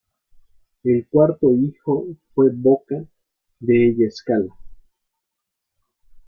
El cuarto hijo fue Boca della Scala.